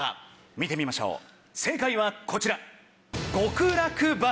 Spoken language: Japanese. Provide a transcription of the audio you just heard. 見てみましょう正解はこちら。